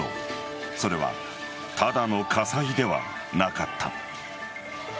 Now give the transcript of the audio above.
それは、ただの火災ではなかった。